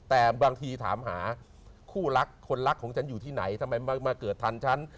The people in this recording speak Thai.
แต่บางทีถามหาคู่รักคนรักของฉันอยู่ที่ไหนทำไมมาเกิดทันฉัน